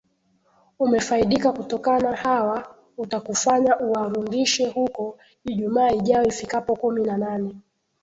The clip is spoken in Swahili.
umefaidika kutokana hawa utakufanya uwarundishe huko ijumaa ijao ifikapo kumi na nane